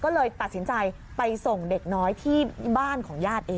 ก็เลยตัดสินใจไปส่งเด็กน้อยที่บ้านของญาติเอง